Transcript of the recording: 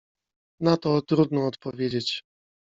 — Na to trudno odpowiedzieć.